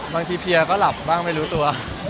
บางทีเพียก็หลับบ้างไม่รู้ตัว